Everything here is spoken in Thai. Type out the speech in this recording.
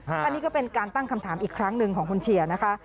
อันนี้ก็เป็นการตั้งคำถามอีกครั้งหนึ่งของคุณเชียร์นะคะ